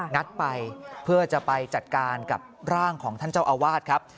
ัดไปเพื่อจะไปจัดการกับร่างของท่านเจ้าอาวาสครับ